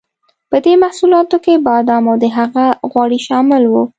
په دې محصولاتو کې بادام او د هغه غوړي شامل وو.